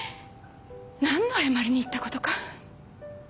何度謝りに行ったことか。